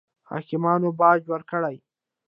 حاکمانو باج ورکړي.